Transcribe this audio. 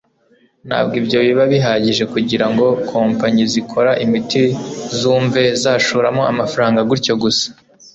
ntabwo ibyo biba bihagije kugira ngo kompanyi zikora imiti zumve zashoramo amafaranga gutyo gusa.